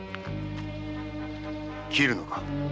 斬るのか？